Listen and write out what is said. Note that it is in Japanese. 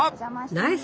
ナイス！